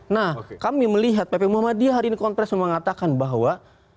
nah kami melihat pp muhammadiyah hari ini kompres mengatakan bahwa